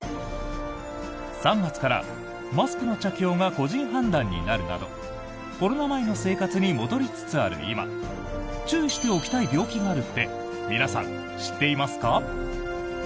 ３月からマスクの着用が個人判断になるなどコロナ前の生活に戻りつつある今注意しておきたい病気があるって皆さん知っていますか？